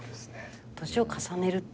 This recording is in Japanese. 年を重ねるって。